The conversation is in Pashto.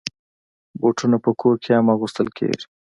بوټونه په کور کې هم اغوستل کېږي.